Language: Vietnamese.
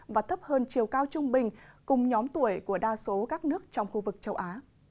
và thấp hơn chiều cao trung bình cùng nhóm tuổi của đa số các nước trong khu vực châu á